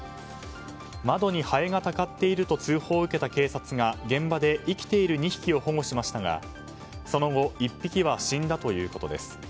窓にハエがたかっていると通報を受けた警察が現場で生きている２匹を保護しましたがその後、１匹は死んだということです。